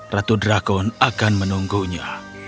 ratu drakon akan menunggunya